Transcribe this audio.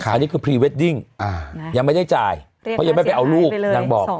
อันนี้คือพรีเวดดิ้งยังไม่ได้จ่ายเพราะยังไม่ไปเอาลูกนางบอก